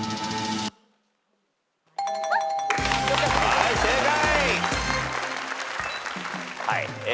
はい正解。